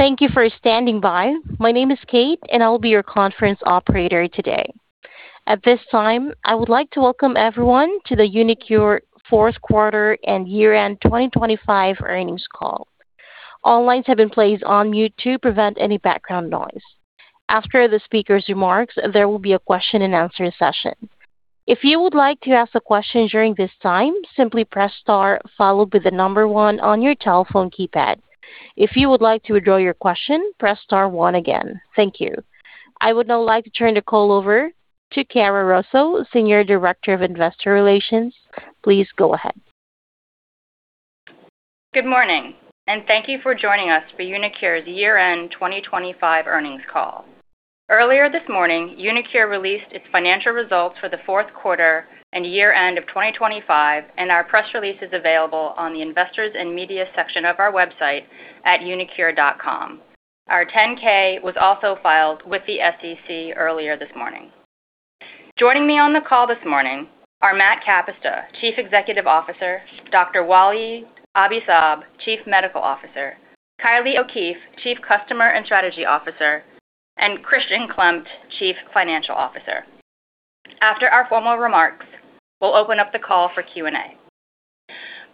Thank you for standing by. My name is Kate. I will be your conference operator today. At this time, I would like to welcome everyone to the uniQure Fourth Quarter and Year End 2025 Earnings Call. All lines have been placed on mute to prevent any background noise. After the speaker's remarks, there will be a question-and-answer session. If you would like to ask a question during this time, simply press star followed by one on your telephone keypad. If you would like to withdraw your question, press star one again. Thank you. I would now like to turn the call over to Chiara Russo, Senior Director of Investor Relations. Please go ahead. Good morning. Thank you for joining us for uniQure's Year End 2025 earnings call. Earlier this morning, uniQure released its financial results for the fourth quarter and year-end of 2025, and our press release is available on the Investors and Media section of our website at uniQure.com. Our 10-K was also filed with the SEC earlier this morning. Joining me on the call this morning are Matt Kapusta, Chief Executive Officer, Dr. Walid Abi-Saab, Chief Medical Officer, Kylie O'Keefe, Chief Customer and Strategy Officer, and Christian Klemt, Chief Financial Officer. After our formal remarks, we'll open up the call for Q&A.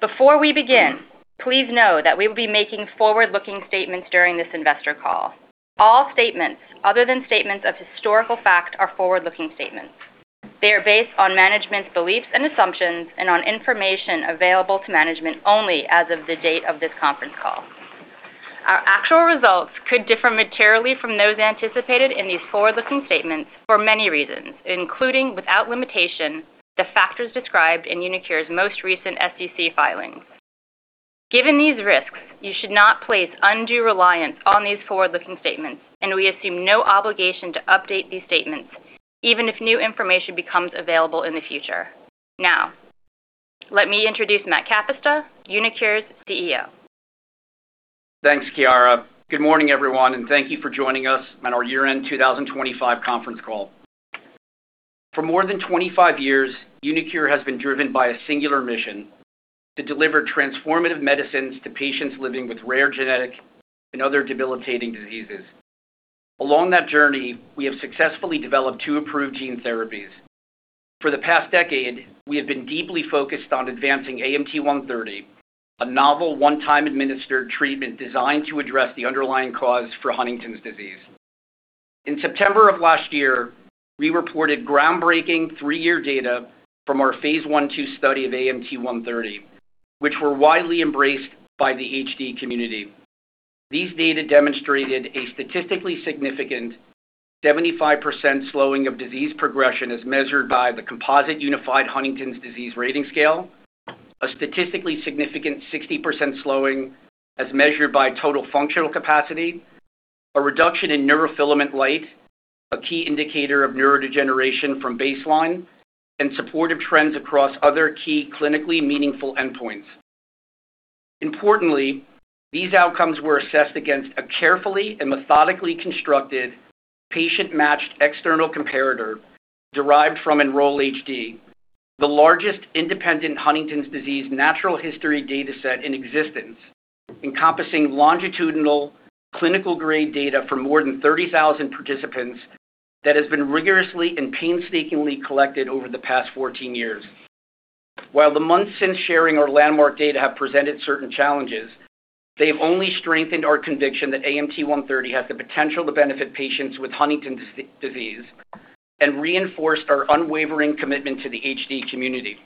Before we begin, please know that we will be making forward-looking statements during this investor call. All statements other than statements of historical fact are forward-looking statements. They are based on management's beliefs and assumptions and on information available to management only as of the date of this conference call. Our actual results could differ materially from those anticipated in these forward-looking statements for many reasons, including, without limitation, the factors described in uniQure's most recent SEC filings. Given these risks, you should not place undue reliance on these forward-looking statements, and we assume no obligation to update these statements even if new information becomes available in the future. Now, let me introduce Matt Kapusta, uniQure's CEO. Thanks, Chiara. Good morning, everyone, and thank you for joining us on our year-end 2025 conference call. For more than 25 years, uniQure has been driven by a singular mission to deliver transformative medicines to patients living with rare genetic and other debilitating diseases. Along that journey, we have successfully developed two approved gene therapies. For the past decade, we have been deeply focused on advancing AMT-130, a novel one-time administered treatment designed to address the underlying cause for Huntington's disease. In September of last year, we reported groundbreaking 3-year data from our phase I/II study of AMT-130, which were widely embraced by the HD community. These data demonstrated a statistically significant 75% slowing of disease progression as measured by the Composite Unified Huntington's Disease Rating Scale, a statistically significant 60% slowing as measured by Total Functional Capacity, a reduction in Neurofilament Light, a key indicator of neurodegeneration from baseline, and supportive trends across other key clinically meaningful endpoints. Importantly, these outcomes were assessed against a carefully and methodically constructed patient-matched external comparator derived from Enroll-HD, the largest independent Huntington's disease natural history data set in existence, encompassing longitudinal clinical-grade data for more than 30,000 participants that has been rigorously and painstakingly collected over the past 14 years. While the months since sharing our landmark data have presented certain challenges, they've only strengthened our conviction that AMT-130 has the potential to benefit patients with Huntington's disease and reinforced our unwavering commitment to the HD community.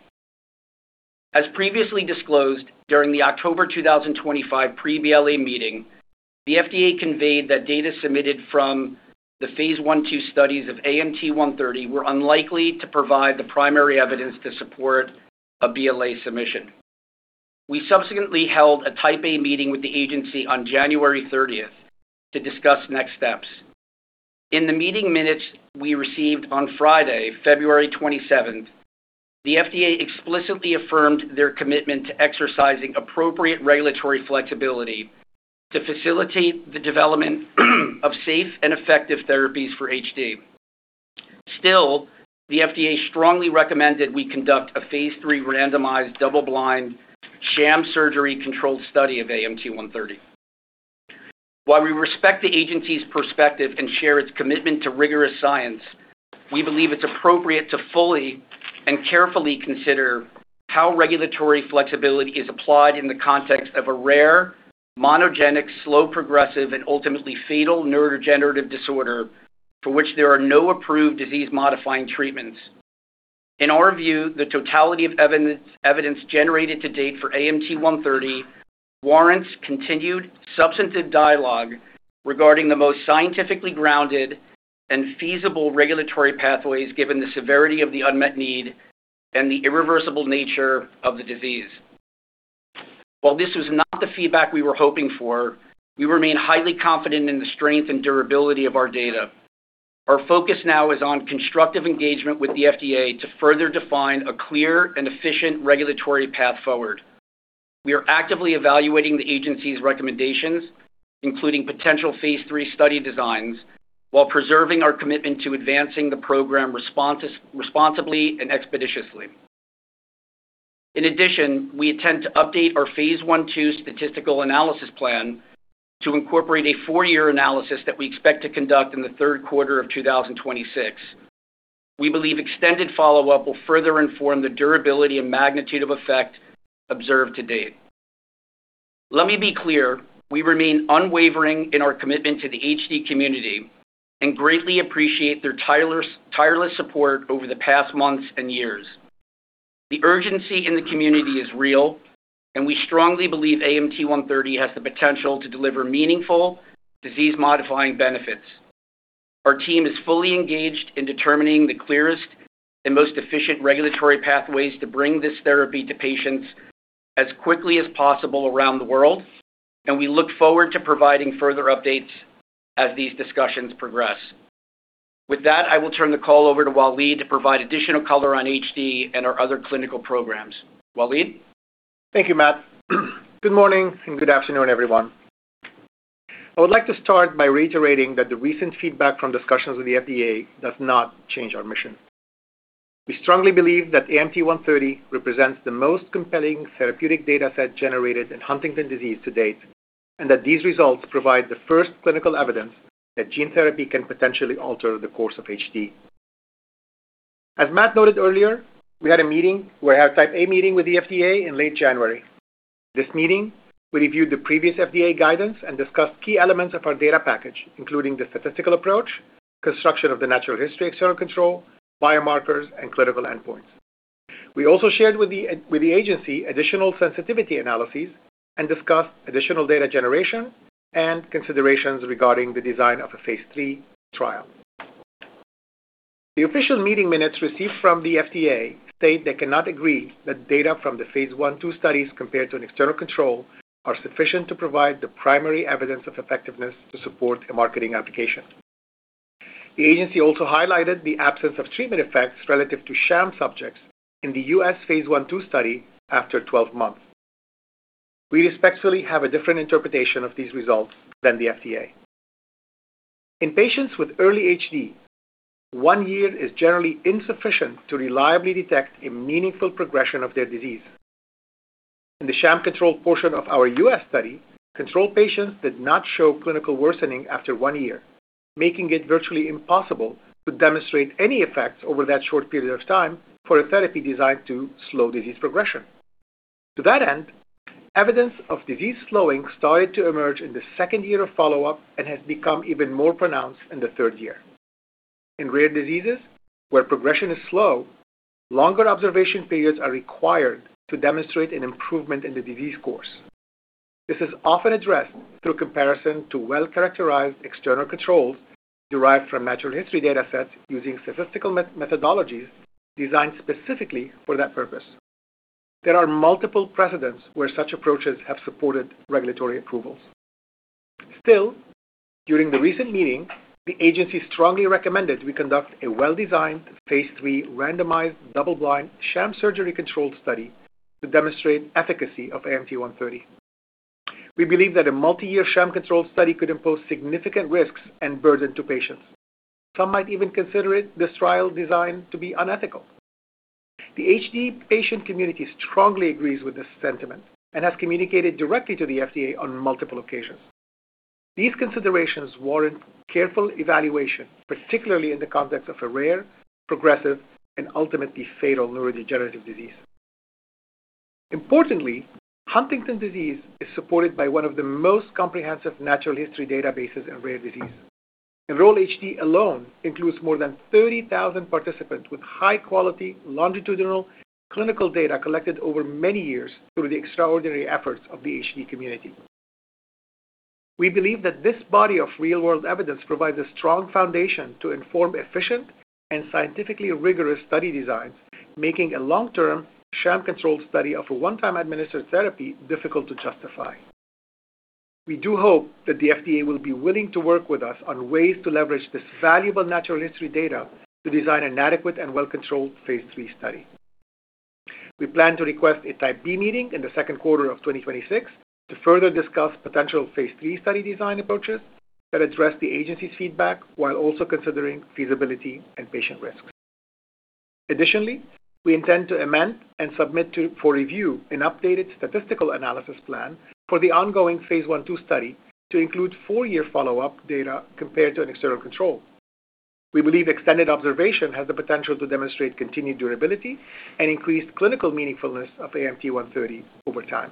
As previously disclosed during the October 2025 pre-BLA meeting, the FDA conveyed that data submitted from the Phase I/II studies of AMT-130 were unlikely to provide the primary evidence to support a BLA submission. We subsequently held a Type A meeting with the agency on January 30th to discuss next steps. In the meeting minutes we received on Friday, February 27th, the FDA explicitly affirmed their commitment to exercising appropriate regulatory flexibility to facilitate the development of safe and effective therapies for HD. The FDA strongly recommended we conduct a Phase III randomized double-blind sham surgery controlled study of AMT-130. While we respect the agency's perspective and share its commitment to rigorous science, we believe it's appropriate to fully and carefully consider how regulatory flexibility is applied in the context of a rare, monogenic, slow progressive, and ultimately fatal neurodegenerative disorder for which there are no approved disease-modifying treatments. In our view, the totality of evidence generated to date for AMT-130 warrants continued substantive dialogue regarding the most scientifically grounded and feasible regulatory pathways, given the severity of the unmet need and the irreversible nature of the disease. While this was not the feedback we were hoping for, we remain highly confident in the strength and durability of our data. Our focus now is on constructive engagement with the FDA to further define a clear and efficient regulatory path forward. We are actively evaluating the agency's recommendations, including potential Phase III study designs, while preserving our commitment to advancing the program responsibly and expeditiously. In addition, we intend to update our Phase I/II Statistical Analysis Plan to incorporate a 4-year analysis that we expect to conduct in the 3rd quarter of 2026. We believe extended follow-up will further inform the durability and magnitude of effect observed to date. Let me be clear, we remain unwavering in our commitment to the HD community and greatly appreciate their tireless support over the past months and years. The urgency in the community is real, and we strongly believe AMT-130 has the potential to deliver meaningful disease-modifying benefits. Our team is fully engaged in determining the clearest and most efficient regulatory pathways to bring this therapy to patients as quickly as possible around the world, and we look forward to providing further updates as these discussions progress. With that, I will turn the call over to Walid to provide additional color on HD and our other clinical programs. Walid? Thank you, Matt. Good morning and good afternoon, everyone. I would like to start by reiterating that the recent feedback from discussions with the FDA does not change our mission. We strongly believe that AMT-130 represents the most compelling therapeutic data set generated in Huntington's disease to date, and that these results provide the first clinical evidence that gene therapy can potentially alter the course of HD. As Matt noted earlier, we had a Type A meeting with the FDA in late January. This meeting, we reviewed the previous FDA guidance and discussed key elements of our data package, including the statistical approach, construction of the natural history external control, biomarkers, and clinical endpoints. We also shared with the agency additional sensitivity analyses and discussed additional data generation and considerations regarding the design of a phase III trial. The official meeting minutes received from the FDA state they cannot agree that data from the phase I/II studies compared to an external control are sufficient to provide the primary evidence of effectiveness to support a marketing application. The agency also highlighted the absence of treatment effects relative to sham subjects in the U.S. phase I/II study after 12 months. We respectfully have a different interpretation of these results than the FDA. In patients with early HD, 1 year is generally insufficient to reliably detect a meaningful progression of their disease. In the sham-controlled portion of our U.S. study, control patients did not show clinical worsening after 1 year, making it virtually impossible to demonstrate any effects over that short period of time for a therapy designed to slow disease progression. To that end, evidence of disease slowing started to emerge in the second year of follow-up and has become even more pronounced in the third year. In rare diseases where progression is slow, longer observation periods are required to demonstrate an improvement in the disease course. This is often addressed through comparison to well-characterized external controls derived from natural history data sets using statistical methodologies designed specifically for that purpose. There are multiple precedents where such approaches have supported regulatory approvals. Still, during the recent meeting, the agency strongly recommended we conduct a well-designed phase III randomized double-blind sham surgery-controlled study to demonstrate efficacy of AMT-130. We believe that a multiyear sham-controlled study could impose significant risks and burden to patients. Some might even consider it, this trial design to be unethical. The HD patient community strongly agrees with this sentiment and has communicated directly to the FDA on multiple occasions. These considerations warrant careful evaluation, particularly in the context of a rare, progressive, and ultimately fatal neurodegenerative disease. Importantly, Huntington's disease is supported by one of the most comprehensive natural history databases in rare diseases. Enroll-HD alone includes more than 30,000 participants with high-quality longitudinal clinical data collected over many years through the extraordinary efforts of the HD community. We believe that this body of real-world evidence provides a strong foundation to inform efficient and scientifically rigorous study designs, making a long-term sham-controlled study of a one-time administered therapy difficult to justify. We do hope that the FDA will be willing to work with us on ways to leverage this valuable natural history data to design an adequate and well-controlled Phase III study. We plan to request a Type B meeting in the second quarter of 2026 to further discuss potential phase III study design approaches that address the agency's feedback while also considering feasibility and patient risks. Additionally, we intend to amend and submit for review an updated Statistical Analysis Plan for the ongoing phase I/II study to include 4-year follow-up data compared to an external control. We believe extended observation has the potential to demonstrate continued durability and increased clinical meaningfulness of AMT-130 over time.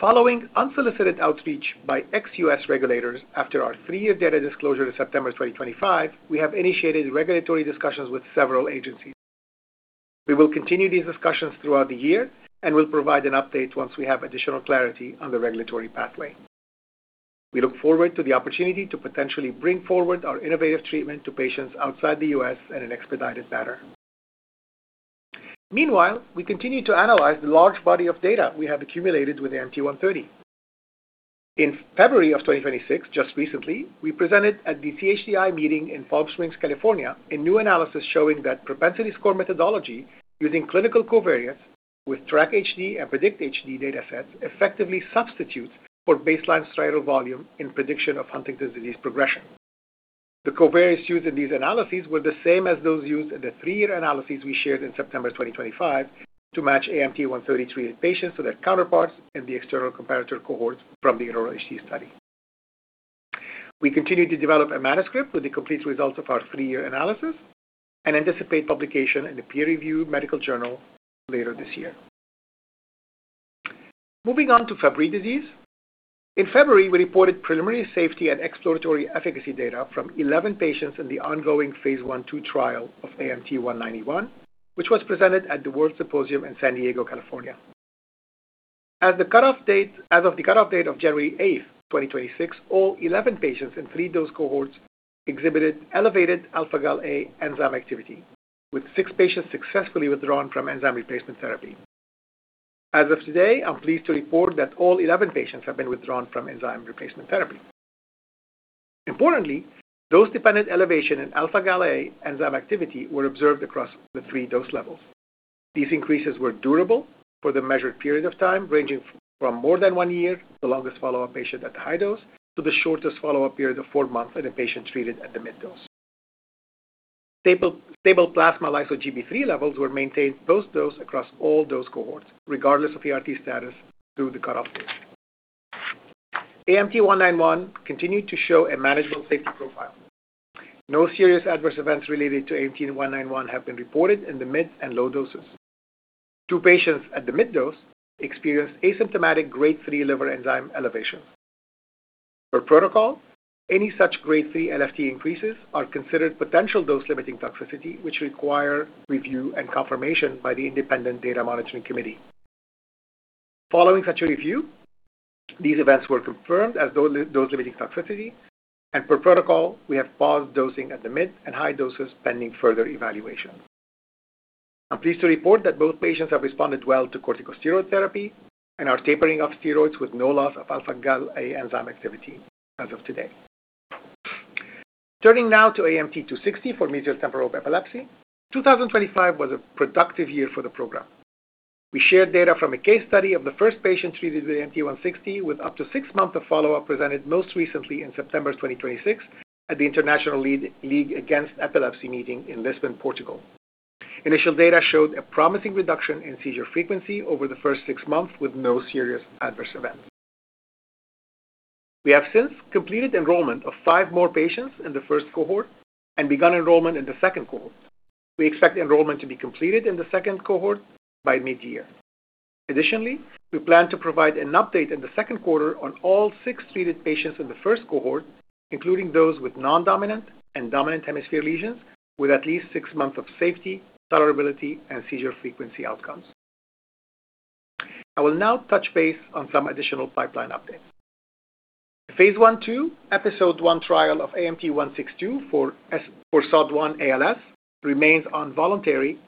Following unsolicited outreach by ex-US regulators after our 3-year data disclosure in September 2025, we have initiated regulatory discussions with several agencies. We will continue these discussions throughout the year and will provide an update once we have additional clarity on the regulatory pathway. We look forward to the opportunity to potentially bring forward our innovative treatment to patients outside the U.S. in an expedited manner. Meanwhile, we continue to analyze the large body of data we have accumulated with AMT-130. In February of 2026, just recently, we presented at the CHDI meeting in Palm Springs, California, a new analysis showing that propensity score methodology using clinical covariates with TRACK-HD and PREDICT-HD datasets effectively substitutes for baseline striatal volume in prediction of Huntington's disease progression. The covariates used in these analyses were the same as those used in the three-year analyses we shared in September 2025 to match AMT-133 patients to their counterparts in the external comparator cohorts from the Enroll-HD study. We continue to develop a manuscript with the complete results of our three-year analysis and anticipate publication in a peer-reviewed medical journal later this year. Moving on to Fabry disease. In February, we reported preliminary safety and exploratory efficacy data from 11 patients in the ongoing Phase I/II trial of AMT-191, which was presented at the WORLDSymposium in San Diego, California. As of the cut-off date of January 8, 2026, all 11 patients in 3 dose cohorts exhibited elevated alpha-Gal A enzyme activity, with 6 patients successfully withdrawn from enzyme replacement therapy. As of today, I'm pleased to report that all 11 patients have been withdrawn from enzyme replacement therapy. Importantly, dose-dependent elevation in alpha-Gal A enzyme activity were observed across the 3 dose levels. These increases were durable for the measured period of time, ranging from more than 1 year, the longest follow-up patient at the high dose, to the shortest follow-up period of 4 months in a patient treated at the mid dose. Stable plasma Lyso-Gb3 levels were maintained post-dose across all dose cohorts, regardless of the RT status through the cut-off date. AMT-191 continued to show a manageable safety profile. No serious adverse events related to AMT-191 have been reported in the mid and low doses. Two patients at the mid dose experienced asymptomatic grade 3 liver enzyme elevation. Per protocol, any such grade 3 LFT increases are considered potential dose-limiting toxicity, which require review and confirmation by the Independent Data Monitoring Committee. Following such a review, these events were confirmed as dose-limiting toxicity. Per protocol, we have paused dosing at the mid and high doses pending further evaluation. I'm pleased to report that both patients have responded well to corticosteroid therapy and are tapering off steroids with no loss of alpha-Gal A enzyme activity as of today. Turning now to AMT-260 for mesial temporal lobe epilepsy. 2025 was a productive year for the program. We shared data from a case study of the first patient treated with AMT-162 with up to 6 months of follow-up presented most recently in September 2026 at the International League Against Epilepsy meeting in Lisbon, Portugal. Initial data showed a promising reduction in seizure frequency over the first 6 months with no serious adverse events. We have since completed enrollment of 5 more patients in the first cohort and begun enrollment in the second cohort. We expect enrollment to be completed in the second cohort by mid-year. Additionally, we plan to provide an update in the second quarter on all six treated patients in the first cohort, including those with non-dominant and dominant hemisphere lesions with at least six months of safety, tolerability, and seizure frequency outcomes. I will now touch base on some additional pipeline updates. The Phase I/II EPISOD1 trial of AMT-162 for SOD1-ALS remains on voluntary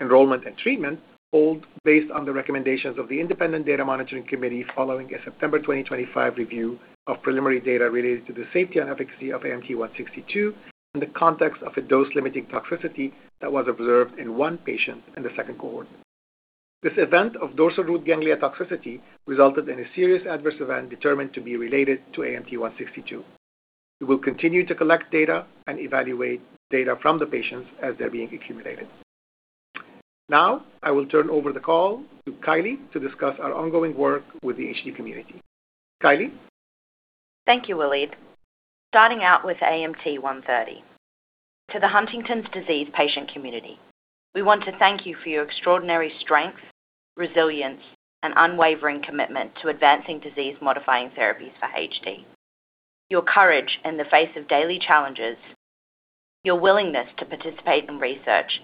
enrollment and treatment hold based on the recommendations of the Independent Data Monitoring Committee following a September 2025 review of preliminary data related to the safety and efficacy of AMT-162 in the context of a dose-limiting toxicity that was observed in one patient in the second cohort. This event of dorsal root ganglion toxicity resulted in a serious adverse event determined to be related to AMT-162. We will continue to collect data and evaluate data from the patients as they're being accumulated. Now, I will turn over the call to Kylie to discuss our ongoing work with the HD community. Kylie? Thank you, Walid. Starting out with AMT-130. To the Huntington's disease patient community, we want to thank you for your extraordinary strength, resilience, and unwavering commitment to advancing disease-modifying therapies for HD. Your courage in the face of daily challenges, your willingness to participate in research,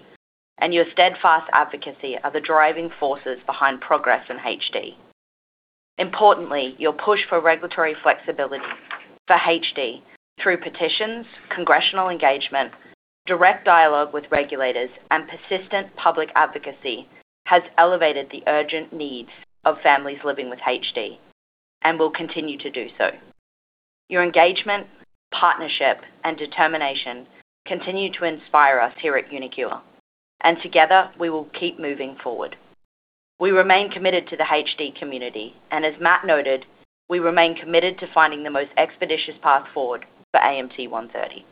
and your steadfast advocacy are the driving forces behind progress in HD. Importantly, your push for regulatory flexibility for HD through petitions, congressional engagement, direct dialogue with regulators, and persistent public advocacy has elevated the urgent needs of families living with HD and will continue to do so. Your engagement, partnership, and determination continue to inspire us here at uniQure, and together we will keep moving forward. We remain committed to the HD community, and as Matt noted, we remain committed to finding the most expeditious path forward for AMT-130.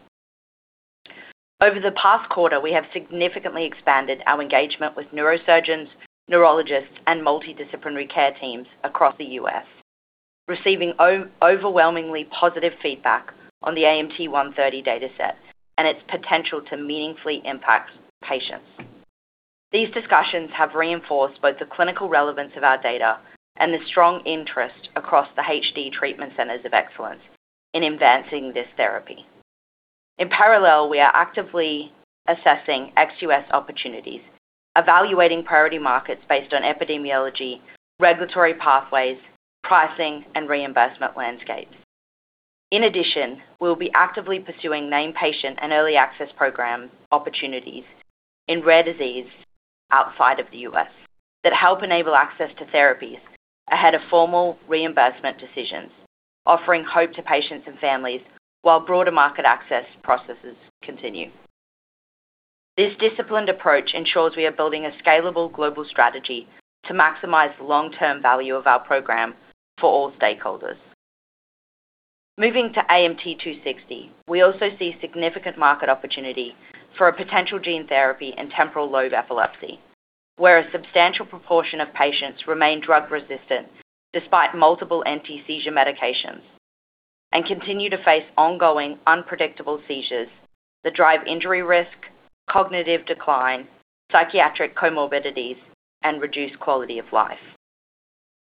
Over the past quarter, we have significantly expanded our engagement with neurosurgeons, neurologists, and multidisciplinary care teams across the U.S., receiving overwhelmingly positive feedback on the AMT-130 data set and its potential to meaningfully impact patients. These discussions have reinforced both the clinical relevance of our data and the strong interest across the HD treatment centers of excellence in advancing this therapy. In parallel, we are actively assessing ex-U.S. opportunities, evaluating priority markets based on epidemiology, regulatory pathways, pricing, and reimbursement landscapes. In addition, we will be actively pursuing named patient and early access program opportunities in rare disease outside of the U.S. that help enable access to therapies ahead of formal reimbursement decisions, offering hope to patients and families while broader market access processes continue. This disciplined approach ensures we are building a scalable global strategy to maximize long-term value of our program for all stakeholders. Moving to AMT-260, we also see significant market opportunity for a potential gene therapy in temporal lobe epilepsy, where a substantial proportion of patients remain drug-resistant despite multiple anti-seizure medications and continue to face ongoing unpredictable seizures that drive injury risk, cognitive decline, psychiatric comorbidities, and reduced quality of life.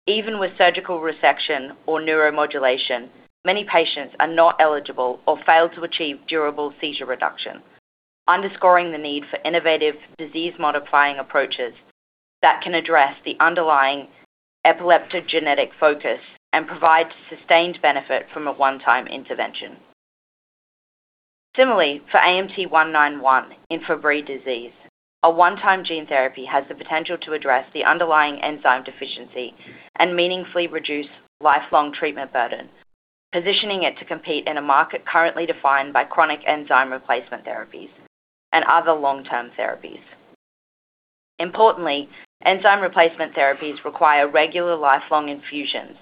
Even with surgical resection or neuromodulation, many patients are not eligible or fail to achieve durable seizure reduction, underscoring the need for innovative disease-modifying approaches that can address the underlying epileptic genetic focus and provide sustained benefit from a one-time intervention. Similarly, for AMT-191 in Fabry disease, a one-time gene therapy has the potential to address the underlying enzyme deficiency and meaningfully reduce lifelong treatment burden, positioning it to compete in a market currently defined by chronic enzyme replacement therapies and other long-term therapies. Importantly, enzyme replacement therapies require regular lifelong infusions,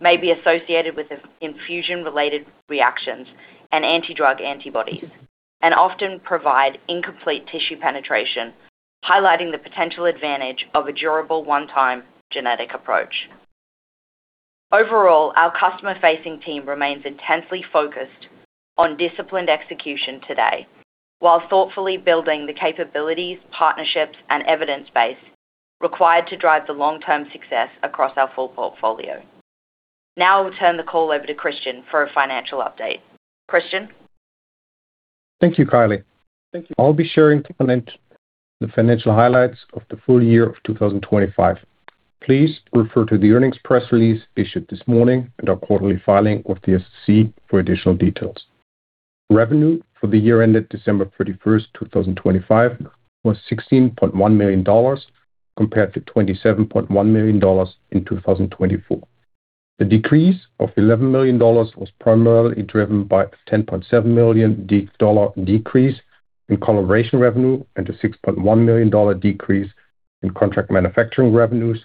may be associated with in-infusion-related reactions and anti-drug antibodies, and often provide incomplete tissue penetration, highlighting the potential advantage of a durable one-time genetic approach. Overall, our customer-facing team remains intensely focused on disciplined execution today, while thoughtfully building the capabilities, partnerships, and evidence base required to drive the long-term success across our full portfolio. Now I will turn the call over to Christian for a financial update. Christian? Thank you, Kylie. I'll be sharing the financial highlights of the full year of 2025. Please refer to the earnings press release issued this morning and our quarterly filing with the SEC for additional details. Revenue for the year ended December 31st, 2025 was $16.1 million compared to $27.1 million in 2024. The decrease of $11 million was primarily driven by a $10.7 million decrease in collaboration revenue and a $6.1 million decrease in contract manufacturing revenues,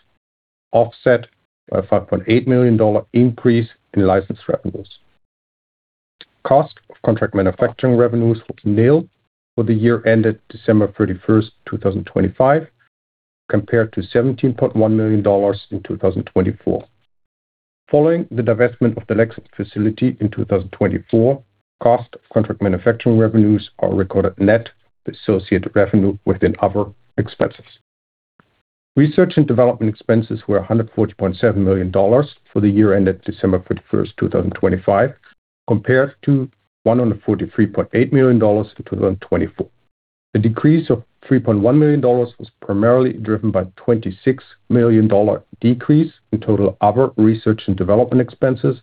offset by a $5.8 million increase in license revenues. Cost of contract manufacturing revenues was nil for the year ended December 31st, 2025, compared to $17.1 million in 2024. Following the divestment of the Lexington facility in 2024, cost of contract manufacturing revenues are recorded net of associated revenue within other expenses. Research and development expenses were $140.7 million for the year ended December 31st, 2025, compared to $143.8 million in 2024. The decrease of $3.1 million was primarily driven by $26 million decrease in total other research and development expenses,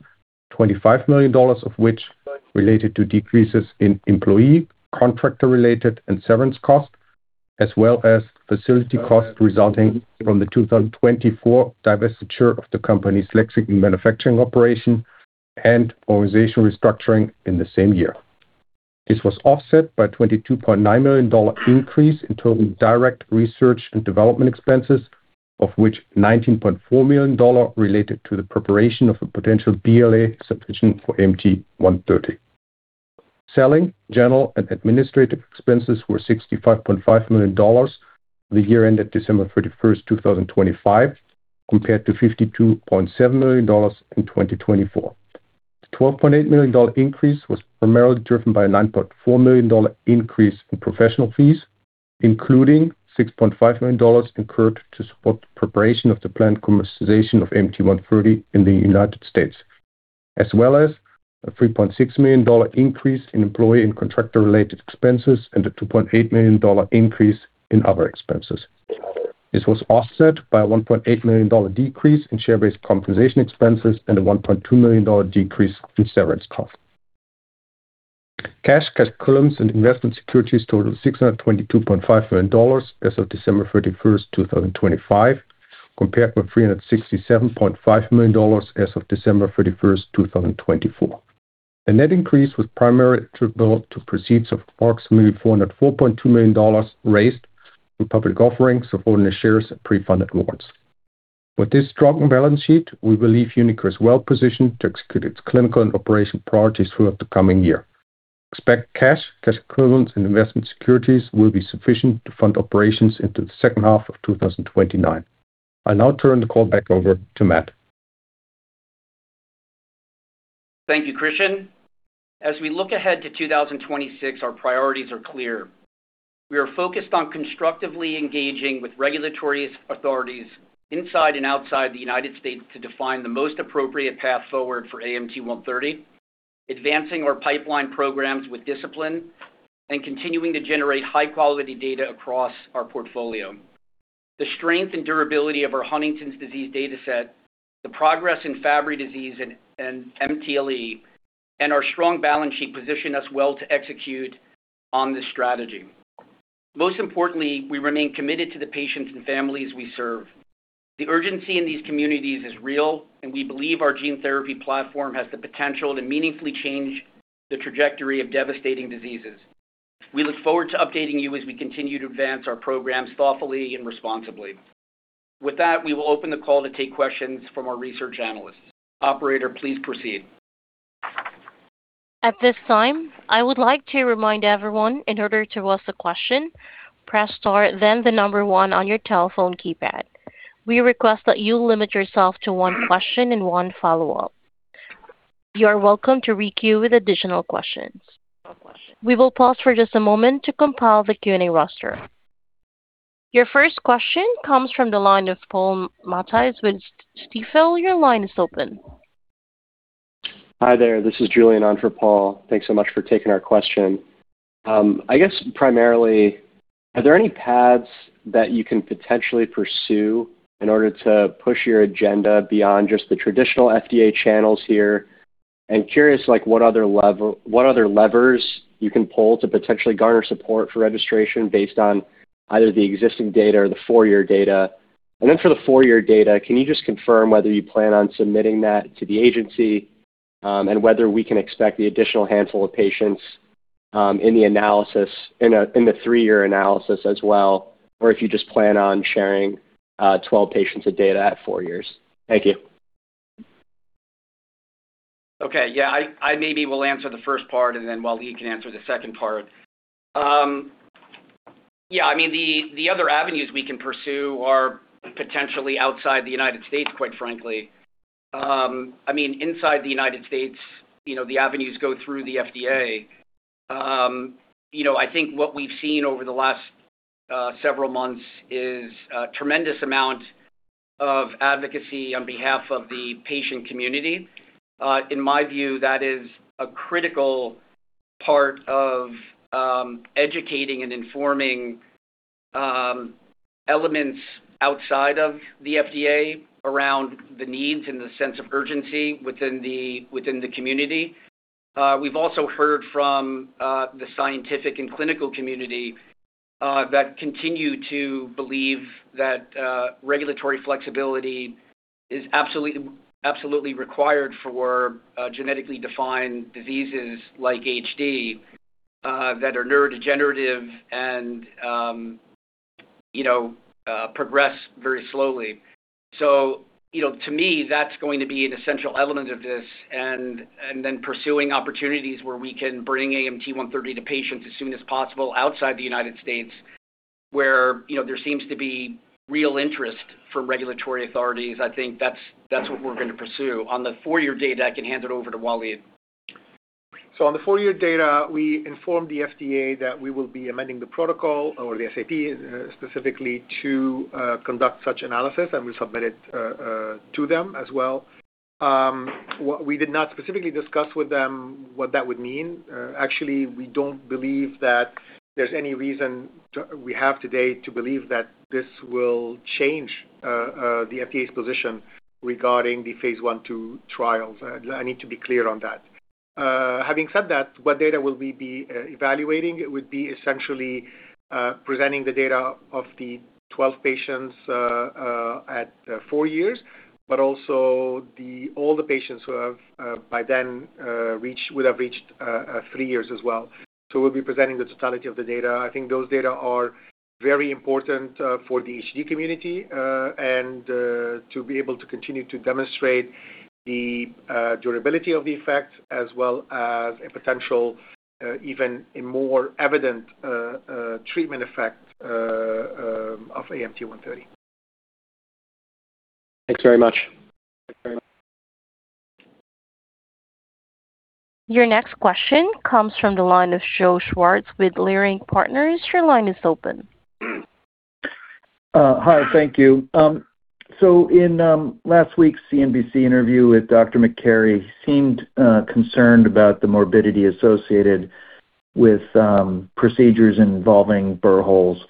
$25 million of which related to decreases in employee, contractor-related, and severance costs, as well as facility costs resulting from the 2024 divestiture of the company's Lexington manufacturing operation and organization restructuring in the same year. This was offset by a $22.9 million increase in total direct research and development expenses, of which $19.4 million related to the preparation of a potential BLA submission for AMT-130. Selling, general, and administrative expenses were $65.5 million for the year ended December 31, 2025, compared to $52.7 million in 2024. The $12.8 million increase was primarily driven by a $9.4 million increase in professional fees, including $6.5 million incurred to support the preparation of the planned commercialization of AMT-130 in the United States, as well as a $3.6 million increase in employee and contractor-related expenses and a $2.8 million increase in other expenses. This was offset by a $1.8 million decrease in share-based compensation expenses and a $1.2 million decrease in severance costs. Cash, cash equivalents, and investment securities totaled $622.5 million as of December 31st, 2025, compared with $367.5 million as of December 31st, 2024. The net increase was primarily attributable to proceeds of approximately $404.2 million raised from public offerings of ordinary shares and pre-funded awards. With this strong balance sheet, we believe uniQure is well positioned to execute its clinical and operational priorities throughout the coming year. Expect cash equivalents, and investment securities will be sufficient to fund operations into the second half of 2029. I'll now turn the call back over to Matt. Thank you, Christian. As we look ahead to 2026, our priorities are clear. We are focused on constructively engaging with regulatory authorities inside and outside the United States to define the most appropriate path forward for AMT-130, advancing our pipeline programs with discipline, and continuing to generate high-quality data across our portfolio. The strength and durability of our Huntington's disease data set, the progress in Fabry disease and MTLE, and our strong balance sheet position us well to execute on this strategy. Most importantly, we remain committed to the patients and families we serve. The urgency in these communities is real. We believe our gene therapy platform has the potential to meaningfully change the trajectory of devastating diseases. We look forward to updating you as we continue to advance our programs thoughtfully and responsibly. With that, we will open the call to take questions from our research analysts. Operator, please proceed. At this time, I would like to remind everyone, in order to ask a question, press star then the number one on your telephone keypad. We request that you limit yourself to one question and one follow-up. You are welcome to re-queue with additional questions. We will pause for just a moment to compile the Q&A roster. Your first question comes from the line of Paul Matteis with Stifel. Your line is open. Hi there. This is Julian on for Paul. Thanks so much for taking our question. I guess primarily, are there any paths that you can potentially pursue in order to push your agenda beyond just the traditional FDA channels here? I'm curious, like, what other levers you can pull to potentially garner support for registration based on either the existing data or the four-year data. Then for the four-year data, can you just confirm whether you plan on submitting that to the agency, and whether we can expect the additional handful of patients, in the analysis, in the three-year analysis as well, or if you just plan on sharing, 12 patients of data at four years? Thank you. Okay. Yeah. I maybe will answer the first part and then Walid can answer the second part. Yeah, I mean, the other avenues we can pursue are potentially outside the United States, quite frankly. I mean, inside the United States, you know, the avenues go through the FDA. You know, I think what we've seen over the last several months is a tremendous amount of advocacy on behalf of the patient community. In my view, that is a critical part of educating and informing elements outside of the FDA around the needs and the sense of urgency within the community. We've also heard from the scientific and clinical community that continue to believe that regulatory flexibility is absolutely required for genetically defined diseases like HD that are neurodegenerative and, you know, progress very slowly. You know, to me, that's going to be an essential element of this and then pursuing opportunities where we can bring AMT-130 to patients as soon as possible outside the United States, where, you know, there seems to be real interest from regulatory authorities. I think that's what we're gonna pursue. On the 4-year data, I can hand it over to Walakd. On the 4-year data, we informed the FDA that we will be amending the protocol or the SAP specifically to conduct such analysis, and we submit it to them as well. What we did not specifically discuss with them what that would mean. Actually, we don't believe that there's any reason we have today to believe that this will change the FDA's position regarding the phase I, II trials. I need to be clear on that. Having said that, what data will we be evaluating? It would be essentially presenting the data of the 12 patients at 4 years, but also all the patients who have by then would have reached 3 years as well. We'll be presenting the totality of the data. I think those data are very important for the HD community and to be able to continue to demonstrate the durability of the effect as well as a potential even a more evident treatment effect of AMT-130. Thanks very much. Your next question comes from the line of Joseph Schwartz with Leerink Partners. Your line is open. Hi. Thank you. In last week's CNBC interview with Dr. Makary, he seemed concerned about the morbidity associated with procedures involving burr holes,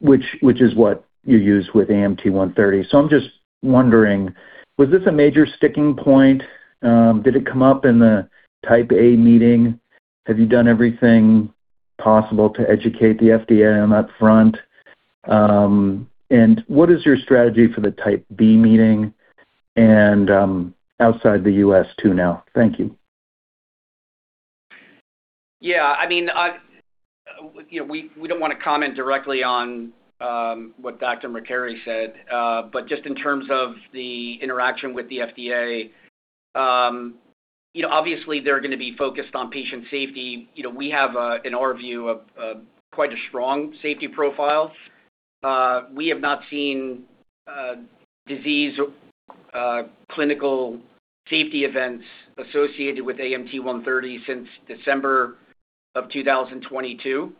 which is what you use with AMT-130. I'm just wondering, was this a major sticking point? Did it come up in the Type A meeting? Have you done everything possible to educate the FDA on upfront? What is your strategy for the Type B meeting and outside the U.S. too now? Thank you. Yeah, I mean, you know, we don't wanna comment directly on what Dr. Makary said. Just in terms of the interaction with the FDA, you know, obviously they're gonna be focused on patient safety. You know, we have in our view, a quite a strong safety profile. We have not seen disease or clinical safety events associated with AMT-130 since December of 2022.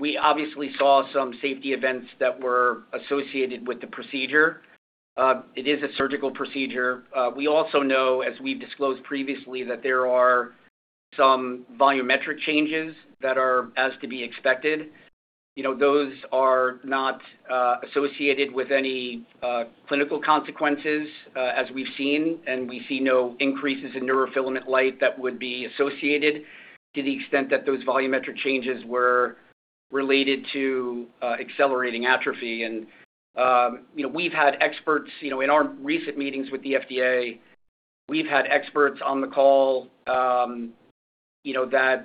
We obviously saw some safety events that were associated with the procedure. It is a surgical procedure. We also know, as we've disclosed previously, that there are some volumetric changes that are as to be expected. You know, those are not associated with any clinical consequences, as we've seen, and we see no increases in neurofilament light that would be associatedTo the extent that those volumetric changes were related to accelerating atrophy. You know, we've had experts, you know, in our recent meetings with the FDA, we've had experts on the call, you know, that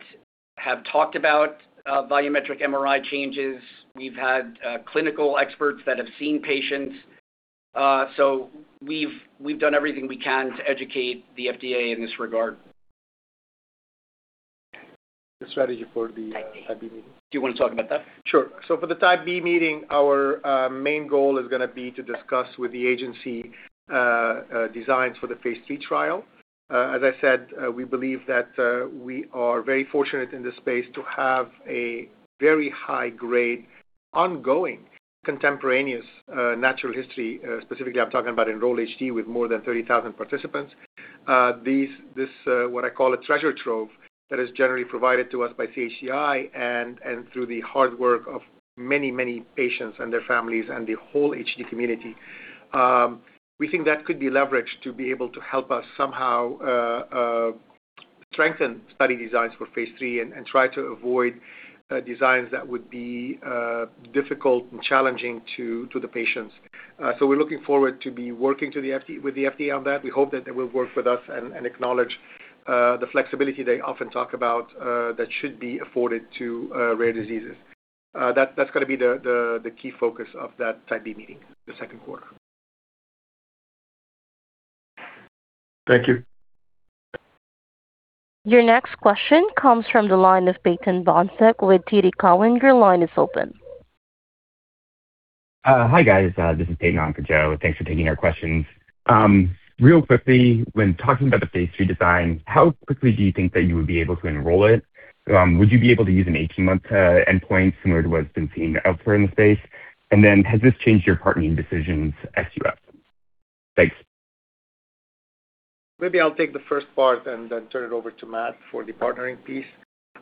have talked about volumetric MRI changes. We've had clinical experts that have seen patients. We've done everything we can to educate the FDA in this regard. The strategy for the Type B meeting. Do you wanna talk about that? Sure. For the Type B meeting, our main goal is gonna be to discuss with the agency designs for the phase III trial. As I said, we believe that we are very fortunate in this space to have a very high grade ongoing contemporaneous natural history. Specifically, I'm talking about Enroll-HD with more than 30,000 participants. This, what I call a treasure trove that is generally provided to us by CHDI and through the hard work of many, many patients and their families and the whole HD community. We think that could be leveraged to be able to help us somehow strengthen study designs for phase III and try to avoid designs that would be difficult and challenging to the patients. We're looking forward to be working with the FDA on that. We hope that they will work with us and acknowledge the flexibility they often talk about that should be afforded to rare diseases. That's gonna be the key focus of that Type B meeting, the second quarter. Thank you. Your next question comes from the line of Peyton Bohnsack with TD Cowen. Your line is open. Hi, guys. This is Peyton on for Joe. Thanks for taking our questions. Real quickly, when talking about the Phase III design, how quickly do you think that you would be able to enroll it? Would you be able to use an 18-month endpoint similar to what's been seen out there in the space? Has this changed your partnering decisions at SUF? Thanks. Maybe I'll take the first part and then turn it over to Matt for the partnering piece.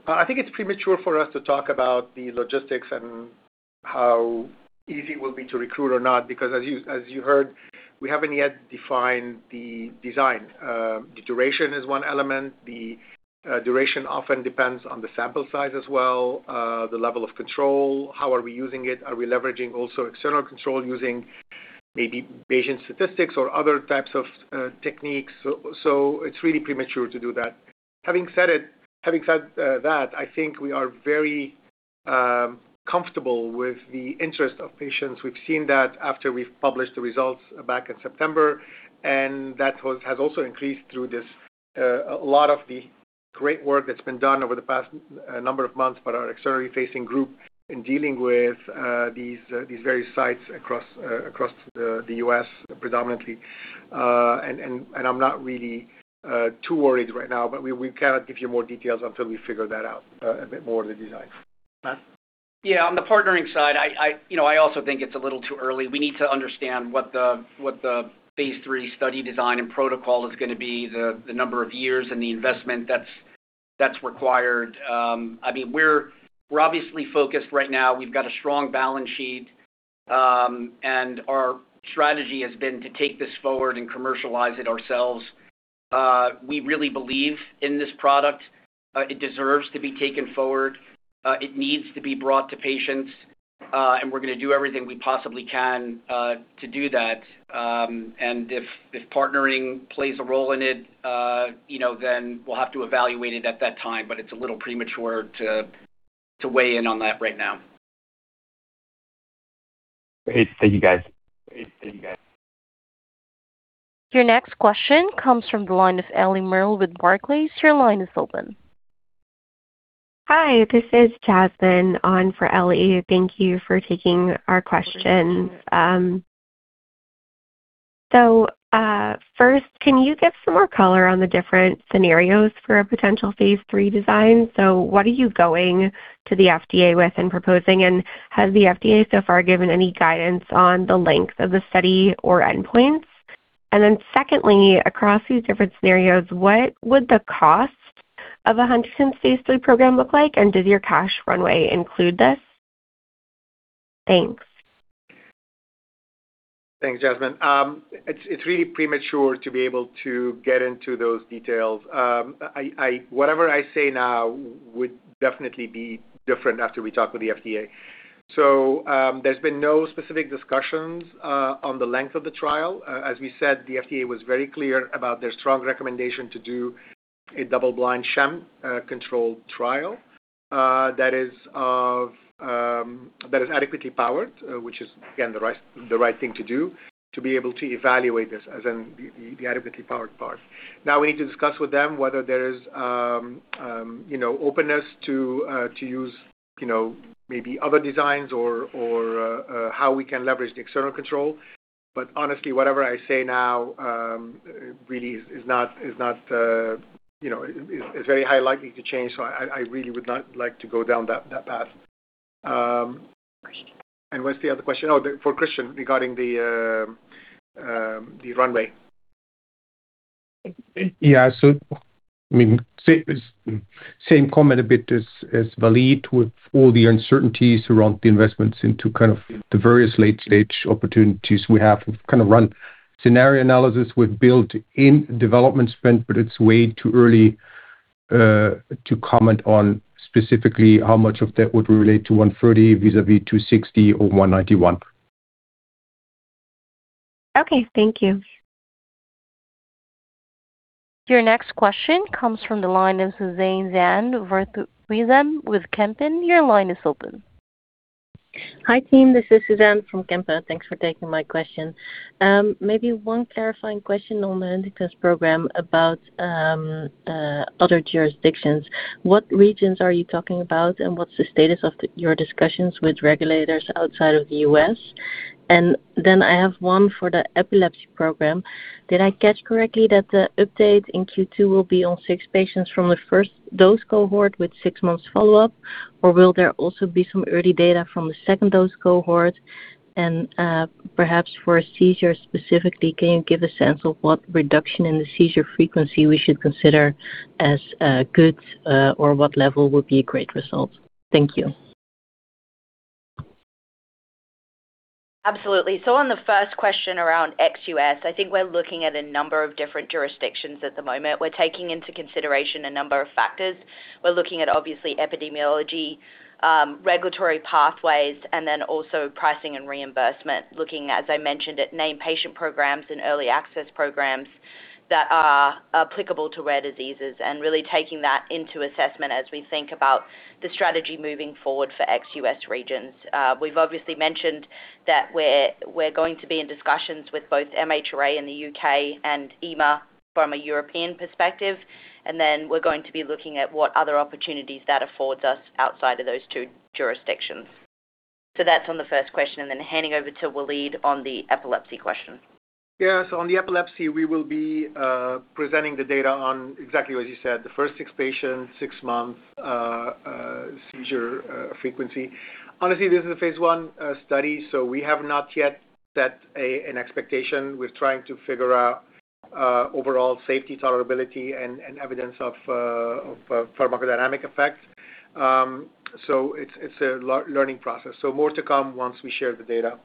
I think it's premature for us to talk about the logistics and how easy it will be to recruit or not, because as you heard, we haven't yet defined the design. The duration is one element. The duration often depends on the sample size as well, the level of control, how are we using it? Are we leveraging also external control using maybe patient statistics or other types of techniques? So it's really premature to do that. Having said that, I think we are very comfortable with the interest of patients. We've seen that after we've published the results back in September. That has also increased through this, a lot of the great work that's been done over the past, number of months by our externally facing group in dealing with, these various sites across the U.S. predominantly. I'm not really too worried right now, but we cannot give you more details until we figure that out a bit more of the design. Matt? Yeah. On the partnering side, I, you know, I also think it's a little too early. We need to understand what the phase III study design and protocol is gonna be, the number of years and the investment that's required. I mean, we're obviously focused right now. We've got a strong balance sheet, our strategy has been to take this forward and commercialize it ourselves. We really believe in this product. It deserves to be taken forward. It needs to be brought to patients, we're gonna do everything we possibly can to do that. If partnering plays a role in it, you know, we'll have to evaluate it at that time. It's a little premature to weigh in on that right now. Great. Thank you, guys. Your next question comes from the line of Eliana Merle with Barclays. Your line is open. Hi, this is Jasmine on for Ellie. Thank you for taking our question. First, can you give some more color on the different scenarios for a potential phase III design? What are you going to the FDA with and proposing? Has the FDA so far given any guidance on the length of the study or endpoints? Secondly, across these different scenarios, what would the cost of a Huntington's phase III program look like, and does your cash runway include this? Thanks. Thanks, Jasmine. It's really premature to be able to get into those details. Whatever I say now would definitely be different after we talk with the FDA. There's been no specific discussions on the length of the trial. As we said, the FDA was very clear about their strong recommendation to do a double blind sham controlled trial, that is of, that is adequately powered, which is again, the right thing to do, to be able to evaluate this as in the adequately powered part. Now, we need to discuss with them whether there is, you know, openness to use, you know, maybe other designs or how we can leverage the external control. Honestly, whatever I say now, really is not, you know, is very high likely to change. I really would not like to go down that path. What's the other question? Oh, for Christian regarding the runway. Yeah. I mean, same comment a bit as Valeed with all the uncertainties around the investments into kind of the various late-stage opportunities we have kind of run Scenario analysis would build in development spend, but it's way too early, to comment on specifically how much of that would relate to AMT-130 vis-à-vis AMT-260 or AMT-191. Okay, thank you. Your next question comes from the line of Suzanne van Voorthuizen with Kempen. Your line is open. Hi, team. This is Suzanne from Kempen. Thanks for taking my question. Maybe one clarifying question on the Indicus program about other jurisdictions. What regions are you talking about, and what's the status of your discussions with regulators outside of the U.S.? I have one for the epilepsy program. Did I catch correctly that the update in Q2 will be on six patients from the first dose cohort with six months follow-up? Will there also be some early data from the second dose cohort? Perhaps for a seizure specifically, can you give a sense of what reduction in the seizure frequency we should consider as good or what level would be a great result? Thank you. Absolutely. On the first question around ex-U.S., I think we're looking at a number of different jurisdictions at the moment. We're taking into consideration a number of factors. We're looking at obviously epidemiology, regulatory pathways, and then also pricing and reimbursement, looking, as I mentioned, at named patient programs and early access programs that are applicable to rare diseases and really taking that into assessment as we think about the strategy moving forward for ex-U.S. regions. We've obviously mentioned that we're going to be in discussions with both MHRA in the U.K. and EMA from a European perspective, and then we're going to be looking at what other opportunities that affords us outside of those two jurisdictions. That's on the first question, and then handing over to Walid on the epilepsy question. Yeah. On the epilepsy, we will be presenting the data on exactly as you said, the 1st 6 patients, 6-month seizure frequency. Honestly, this is a phase I study, we have not yet set an expectation. We're trying to figure out overall safety, tolerability and evidence of pharmacodynamic effect. It's a learning process. More to come once we share the data.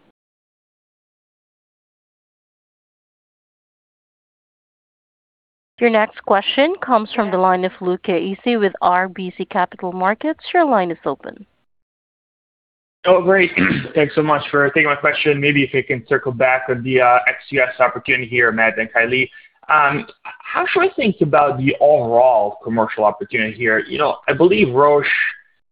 Your next question comes from the line of Luca Issi with RBC Capital Markets. Your line is open. Oh, great. Thanks so much for taking my question. Maybe if we can circle back on the ex US opportunity here, Matt and Kylie. How should we think about the overall commercial opportunity here? You know, I believe Roche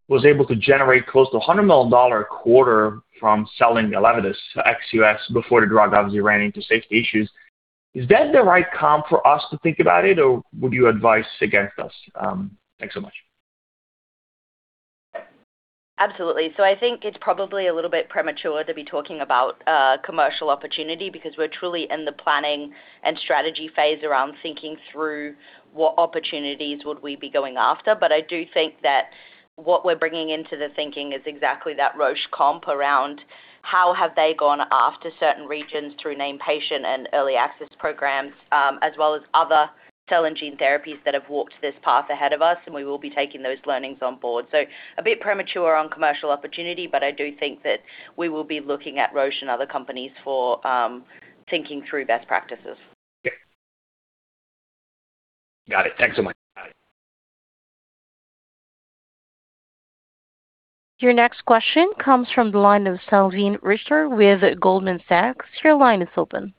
was able to generate close to $100 million a quarter from selling Elevidys ex US before the drug obviously ran into safety issues. Is that the right comp for us to think about it, or would you advise against us? Thanks so much. Absolutely. I think it's probably a little bit premature to be talking about commercial opportunity because we're truly in the planning and strategy phase around thinking through what opportunities would we be going after. I do think that what we're bringing into the thinking is exactly that Roche comp around how have they gone after certain regions through name patient and early access programs, as well as other cell and gene therapies that have walked this path ahead of us, and we will be taking those learnings on board. A bit premature on commercial opportunity, but I do think that we will be looking at Roche and other companies for thinking through best practices. Okay. Got it. Thanks so much. Your next question comes from the line of Salveen Richter with Goldman Sachs. Your line is open.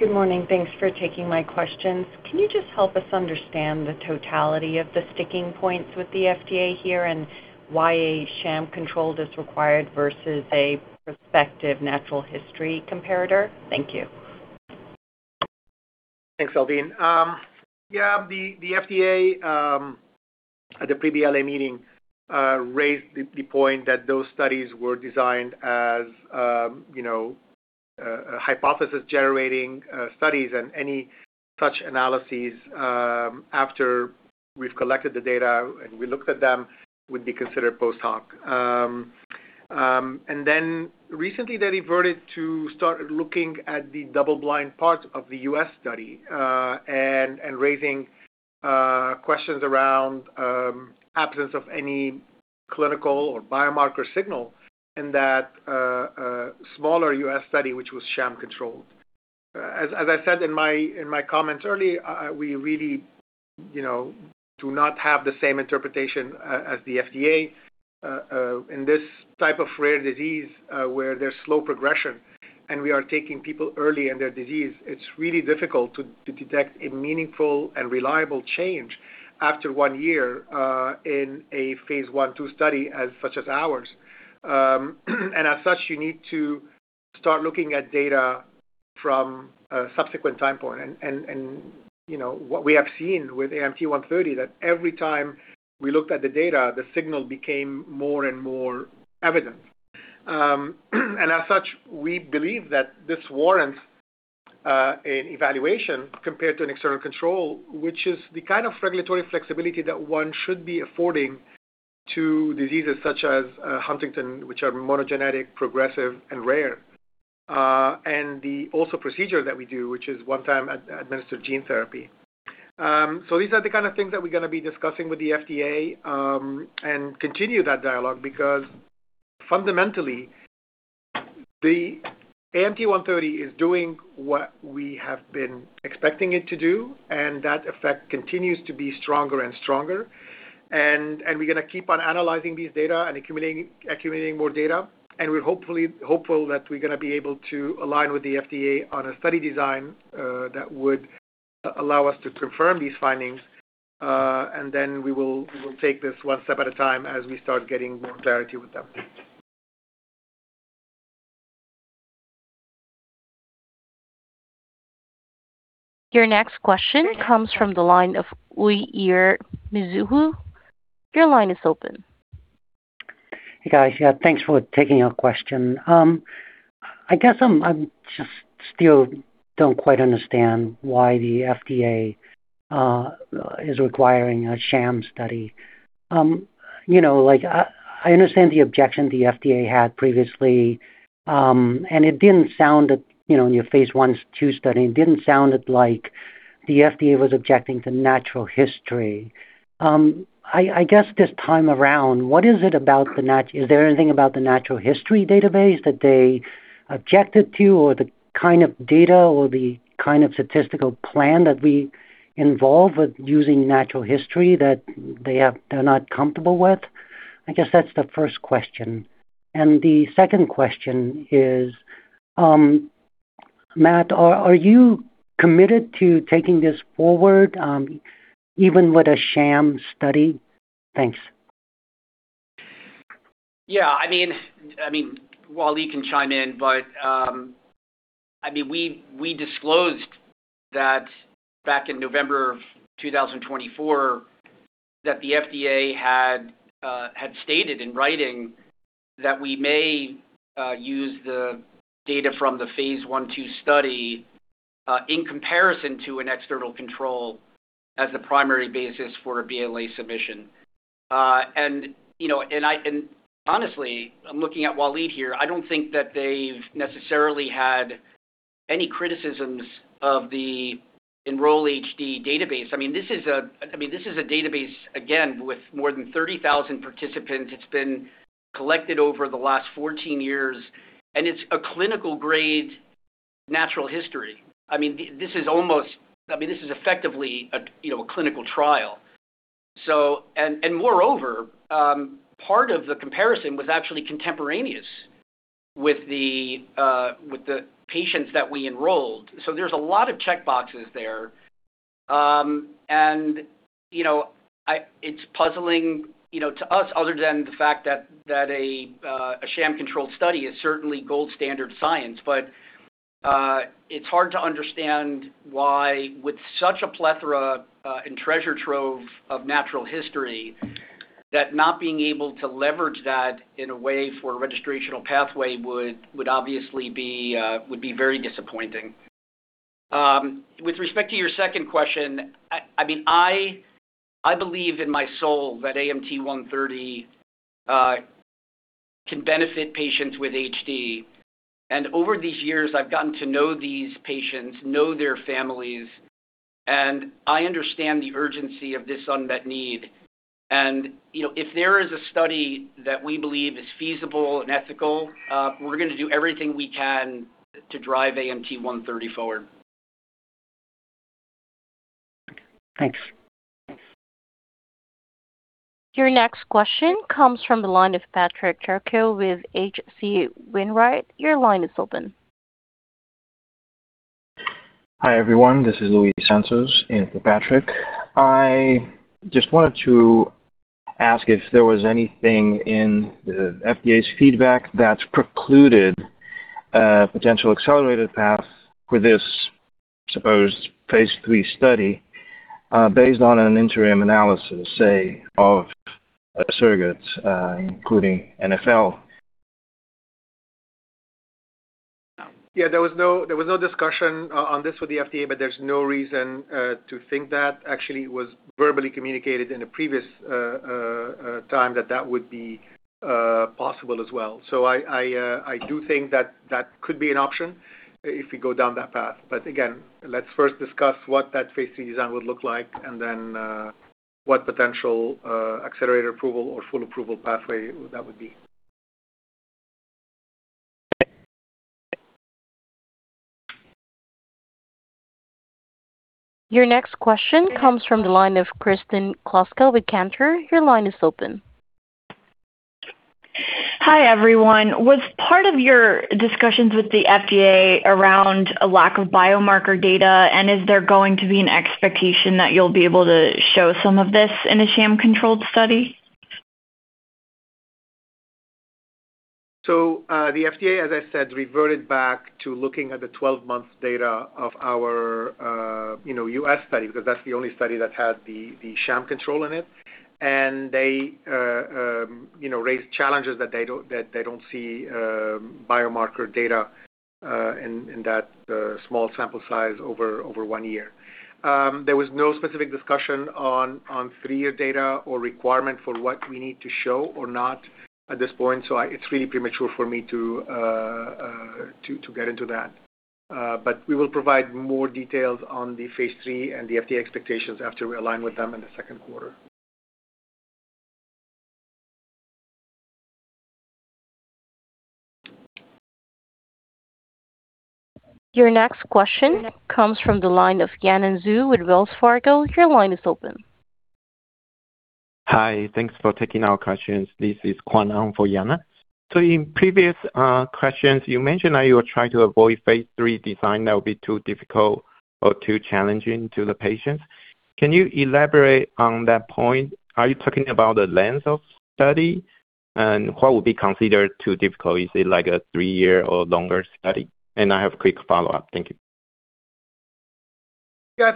Good morning. Thanks for taking my questions. Can you just help us understand the totality of the sticking points with the FDA here and why a sham control is required versus a prospective natural history comparator? Thank you. Thanks, Salveen. The FDA at the pre-BLA meeting raised the point that those studies were designed as, you know, a hypothesis generating studies and any such analyses after we've collected the data and we looked at them would be considered post-hoc. Recently, they reverted to start looking at the double blind parts of the U.S. study, and raising questions around absence of any clinical or biomarker signal in that smaller U.S. study, which was sham controlled. As I said in my comments earlier, we really, you know, do not have the same interpretation as the FDA in this type of rare disease, where there's slow progression and we are taking people early in their disease. It's really difficult to detect a meaningful and reliable change after one year, in a phase I/II study as such as ours. As such, you need to start looking at data from a subsequent time point. you know, what we have seen with AMT-130, that every time we looked at the data, the signal became more and more evident. As such, we believe that this warrants an evaluation compared to an external control, which is the kind of regulatory flexibility that one should be affording to diseases such as Huntington, which are monogenetic, progressive and rare. The also procedure that we do, which is one time administered gene therapy. These are the kind of things that we're gonna be discussing with the FDA and continue that dialogue, because fundamentally, the AMT-130 is doing what we have been expecting it to do, and that effect continues to be stronger and stronger. We're gonna keep on analyzing these data and accumulating more data. We're hopeful that we're gonna be able to align with the FDA on a study design that would allow us to confirm these findings, and then we will take this one step at a time as we start getting more clarity with them. Your next question comes from the line of Uygar Turancigil. Your line is open. Hey, guys. Yeah, thanks for taking our question. I guess I'm just still don't quite understand why the FDA is requiring a sham study. You know, like I understand the objection the FDA had previously, it didn't sound that, you know, in your phase I/II study, it didn't sound like the FDA was objecting to natural history. I guess this time around, what is it about the natural history database that they objected to, or the kind of data or the kind of statistical plan that we involve with using natural history that they're not comfortable with? I guess that's the first question. The second question is, Matt, are you committed to taking this forward, even with a sham study? Thanks. Yeah, I mean, Waleed can chime in, but, I mean, we disclosed that back in November 2024 that the FDA had stated in writing that we may use the data from the phase I/II study in comparison to an external control as the primary basis for a BLA submission. You know, honestly, I'm looking at Waleed here. I don't think that they've necessarily had any criticisms of the Enroll-HD database. I mean, this is a database, again, with more than 30,000 participants. It's been collected over the last 14 years, and it's a clinical-grade natural history. This is almost... I mean, this is effectively a, you know, a clinical trial. And moreover, part of the comparison was actually contemporaneous with the patients that we enrolled. There's a lot of checkboxes there. You know, it's puzzling, you know, to us other than the fact that a sham-controlled study is certainly gold standard science. It's hard to understand why, with such a plethora, and treasure trove of natural history, that not being able to leverage that in a way for a registrational pathway would obviously be very disappointing. With respect to your second question, I mean, I believe in my soul that AMT-130 can benefit patients with HD. Over these years, I've gotten to know these patients, know their families, and I understand the urgency of this unmet need. You know, if there is a study that we believe is feasible and ethical, we're gonna do everything we can to drive AMT-130 forward. Thanks. Your next question comes from the line of Patrick Trucchio with H.C. Wainwright & Co. Your line is open. Hi, everyone. This is Luis Santos in for Patrick. I just wanted to ask if there was anything in the FDA's feedback that's precluded a potential accelerated path for this supposed phase III study, based on an interim analysis, say, of surrogates, including NfL? Yeah, there was no discussion on this with the FDA, there's no reason to think that. Actually, it was verbally communicated in a previous time that that would be possible as well. I do think that that could be an option if we go down that path. Again, let's first discuss what that phase III design would look like and then what potential accelerator approval or full approval pathway that would be. Your next question comes from the line of Kristen Kluska with Cantor. Your line is open. Hi, everyone. Was part of your discussions with the FDA around a lack of biomarker data, and is there going to be an expectation that you'll be able to show some of this in a sham-controlled study? The FDA, as I said, reverted back to looking at the 12-month data of our, you know, U.S. study because that's the only study that had the sham control in it. They, you know, raised challenges that they don't see biomarker data in that small sample size over one year. There was no specific discussion on three-year data or requirement for what we need to show or not at this point, so it's really premature for me to get into that. But we will provide more details on the phase III and the FDA expectations after we align with them in the second quarter. Your next question comes from the line of Yanan Zhu with Wells Fargo. Your line is open. Hi. Thanks for taking our questions. This is Kuan Hong for Yana. In previous questions, you mentioned that you were trying to avoid phase III design that would be too difficult or too challenging to the patients. Can you elaborate on that point? Are you talking about the length of study? What would be considered too difficult? Is it like a 3-year or longer study? I have a quick follow-up. Thank you. Yeah,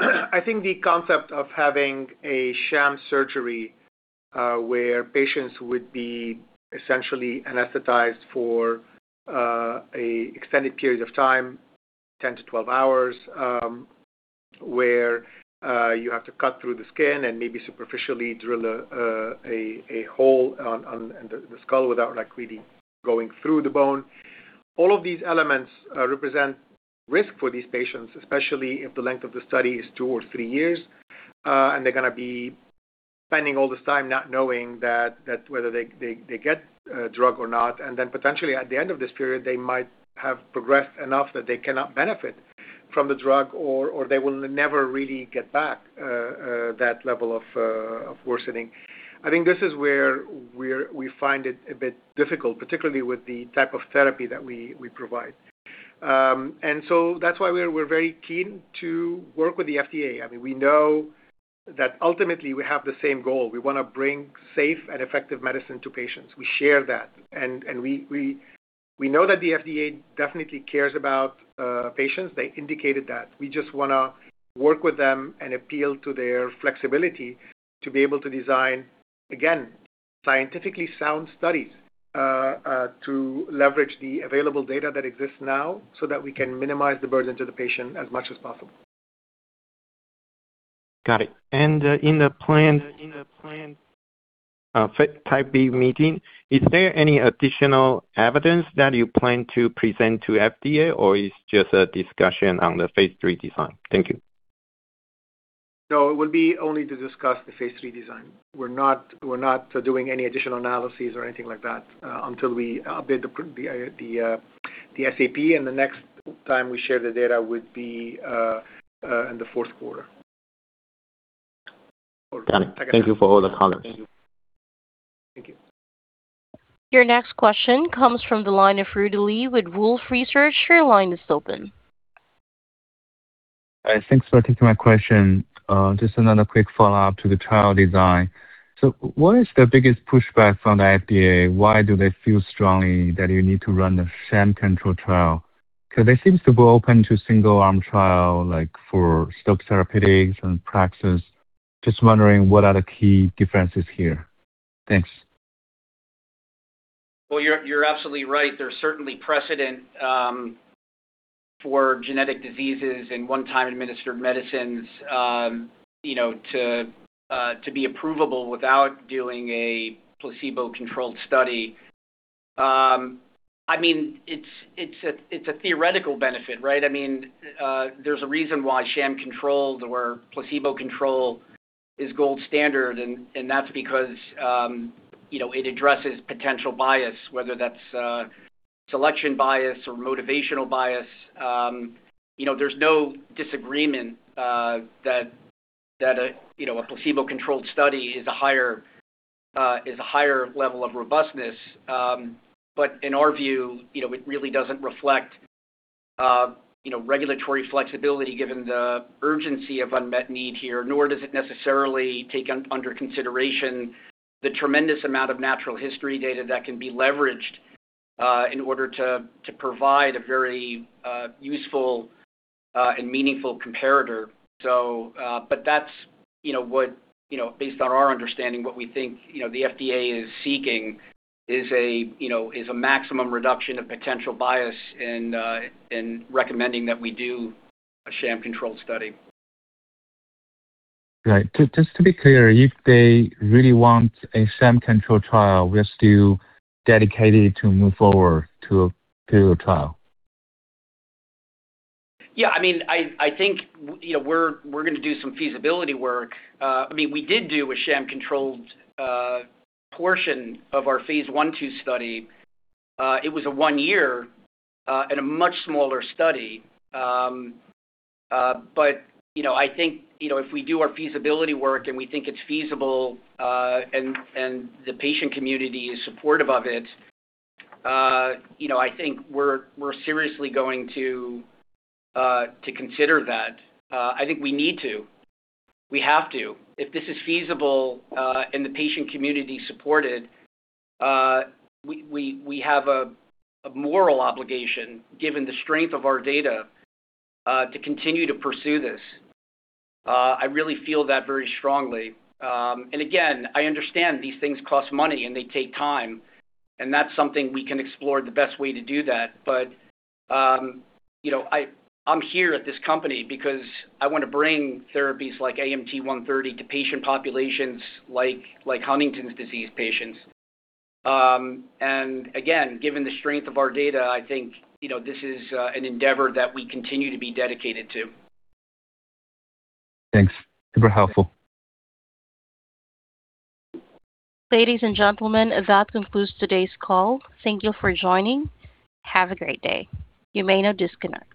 I think the concept of having a sham surgery, where patients would be essentially anesthetized for a extended period of time, 10-12 hours, where you have to cut through the skin and maybe superficially drill a hole on the skull without like, really going through the bone. All of these elements represent risk for these patients, especially if the length of the study is 2 or 3 years, and they're gonna be spending all this time not knowing that whether they get a drug or not, and then potentially at the end of this period, they might have progressed enough that they cannot benefit from the drug or they will never really get back that level of worsening. I think this is where we find it a bit difficult, particularly with the type of therapy that we provide. That's why we're very keen to work with the FDA. I mean, we know that ultimately we have the same goal. We wanna bring safe and effective medicine to patients. We share that. We know that the FDA definitely cares about patients. They indicated that. We just wanna work with them and appeal to their flexibility to be able to design, again, scientifically sound studies to leverage the available data that exists now so that we can minimize the burden to the patient as much as possible. Got it. In the plan, phase Type B meeting, is there any additional evidence that you plan to present to FDA, or it's just a discussion on the phase III design? Thank you. No, it would be only to discuss the phase III design. We're not doing any additional analyses or anything like that, until we build the SAP. The next time we share the data would be in the fourth quarter. Got it. Thank you for all the comments. Thank you. Your next question comes from the line of Rudy Li with Wolfe Research. Your line is open. Thanks for taking my question. Just another quick follow-up to the trial design. What is the biggest pushback from the FDA? Why do they feel strongly that you need to run a sham control trial? 'Cause they seems to be open to single-arm trial, like for Stoke Therapeutics and Praxis. Just wondering what are the key differences here? Thanks. Well, you're absolutely right. There's certainly precedent for genetic diseases and one-time administered medicines, you know, to be approvable without doing a placebo-controlled study. I mean, it's a theoretical benefit, right? I mean, there's a reason why sham-controlled or placebo-controlled is gold standard, and that's because, you know, it addresses potential bias, whether that's selection bias or motivational bias. You know, there's no disagreement that a, you know, a placebo-controlled study is a higher level of robustness. In our view, you know, it really doesn't reflect, you know, regulatory flexibility given the urgency of unmet need here, nor does it necessarily take under consideration the tremendous amount of natural history data that can be leveraged, in order to provide a very, useful, and meaningful comparator. But that's, you know, what, you know, based on our understanding, what we think, you know, the FDA is seeking is, you know, a maximum reduction of potential bias and, in recommending that we do a sham controlled study. Right. Just to be clear, if they really want a sham control trial, we're still dedicated to move forward to a period trial? I mean, I think, you know, we're gonna do some feasibility work. I mean, we did do a sham-controlled portion of our phase I/II study. It was a 1-year and a much smaller study. You know, I think, you know, if we do our feasibility work and we think it's feasible, and the patient community is supportive of it, you know, I think we're seriously going to consider that. I think we need to. We have to. If this is feasible, and the patient community support it, we have a moral obligation, given the strength of our data, to continue to pursue this. I really feel that very strongly. Again, I understand these things cost money and they take time, and that's something we can explore the best way to do that. You know, I'm here at this company because I wanna bring therapies like AMT-130 to patient populations like Huntington's disease patients. Again, given the strength of our data, I think, you know, this is an endeavor that we continue to be dedicated to. Thanks. Super helpful. Ladies and gentlemen, that concludes today's call. Thank you for joining. Have a great day. You may now disconnect.